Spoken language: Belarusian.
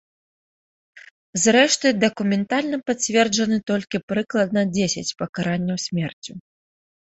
Зрэшты, дакументальна пацверджаны толькі прыкладна дзесяць пакаранняў смерцю.